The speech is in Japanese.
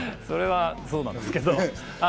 それはそうなんですけど。